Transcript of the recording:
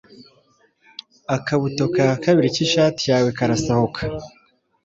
Akabuto ka kabiri k'ishati yawe karasohoka.